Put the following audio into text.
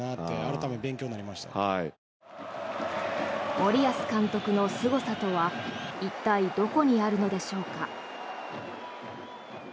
森保監督のすごさとは一体、どこにあるのでしょうか。